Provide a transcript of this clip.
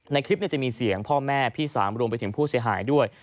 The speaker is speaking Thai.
ในคลิปจะมีเสียงพ่อแม่พี่สามรวมไปถึงผู้เสียหายด้วย